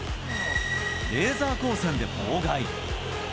レーザー光線で妨害。